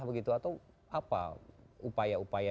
begitu atau apa upaya upaya